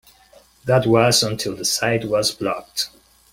That was until the site was blocked.